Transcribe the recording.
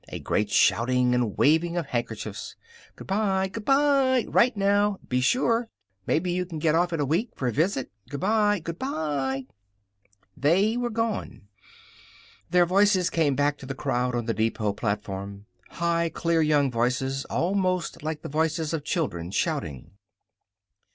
A great shouting and waving of handkerchiefs: "Good by! Good by! Write, now! Be sure! Mebbe you can get off in a week, for a visit. Good by! Good " They were gone. Their voices came back to the crowd on the depot platform high, clear young voices; almost like the voices of children, shouting.